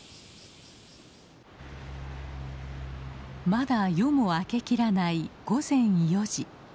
まだ夜も明けきらない午前４時。